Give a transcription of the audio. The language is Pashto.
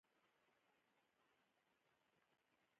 ما ورته وویل: زه ډېر خوب نه کوم، فرید چېرې څه شو؟